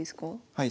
はい。